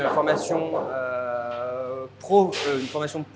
để có thể trả tiền